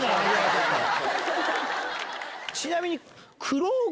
ちなみに。